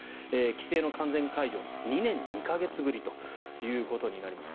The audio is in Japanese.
規制の完全解除は２年２か月ぶりということになります。